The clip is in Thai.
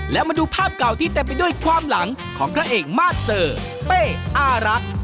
และมาดูภาพเก่าที่เต็มไปด้วยความหลังของพระเอกมาสเตอร์เป้อารักษ์